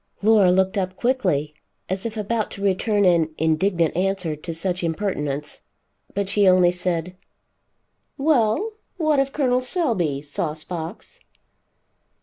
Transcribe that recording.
Laura looked up quickly, as if about to return an indignant answer to such impertinence, but she only said, "Well, what of Col. Selby, sauce box?"